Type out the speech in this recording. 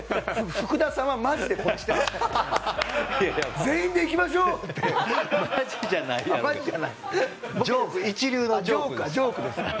福田さんはマジでこうしていましたからね。